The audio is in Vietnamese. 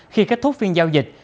khi kết thúc phiên giao dịch